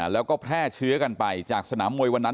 แล้วก็แพร่เชื้อกันไปจากสนามมวยวันนั้น